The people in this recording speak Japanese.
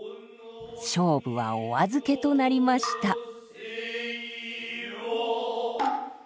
勝負はお預けとなりました。